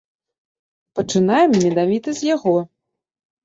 Пачынаем менавіта з яго.